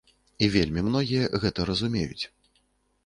І вельмі многія гэта разумеюць.